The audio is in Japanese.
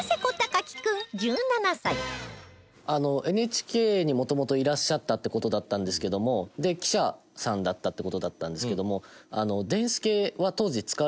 ＮＨＫに元々いらっしゃったって事だったんですけどもで記者さんだったって事だったんですけども。